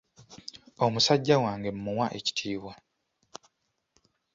Omusajja wange mmuwa ekitiibwa.